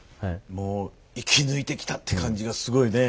もう生き抜いてきたって感じがすごいね。